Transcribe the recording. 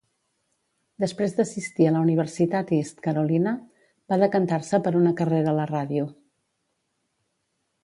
Després d'assistir a la Universitat East Carolina, va decantar-se per una carrera a la ràdio.